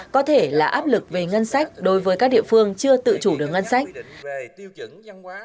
có thể là áp lực về ngân sách đối với các địa phương chưa tự chủ được ngân sách